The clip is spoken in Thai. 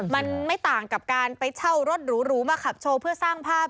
มันไม่ต่างกับการไปเช่ารถหรูมาขับโชว์เพื่อสร้างภาพ